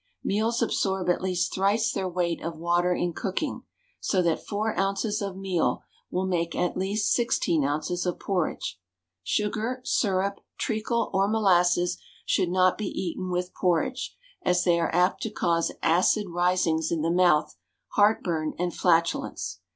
Meals absorb at least thrice their weight of water in cooking, so that 4 oz. of meal will make at least 16 oz. of porridge. Sugar, syrup, treacle, or molasses should not be eaten with porridge, as they are apt to cause acid risings in the mouth, heartburn, and flatulence.